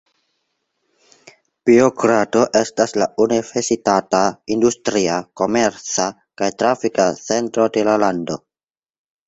Beogrado estas la universitata, industria, komerca kaj trafika centro de la lando.